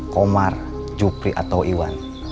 komar jupri atau iwan